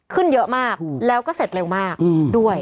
ขึ้นเยอะมากแล้วก็เสร็จเร็วมากด้วย